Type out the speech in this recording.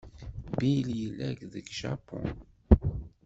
Bill yella deg Japun.